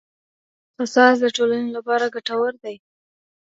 قصاص د ټولني لپاره ګټور دی.